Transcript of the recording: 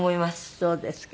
そうですか。